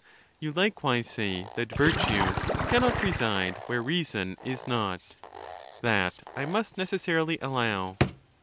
You likewise say that virtue cannot reside where reason is not. That I must necessarily allow.